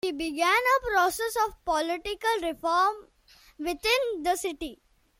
He began a process of political reform within the city.